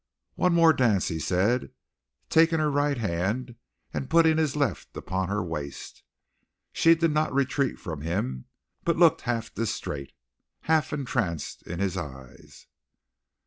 "One more dance," he said, taking her right hand and putting his left upon her waist. She did not retreat from him, but looked half distrait, half entranced in his eyes.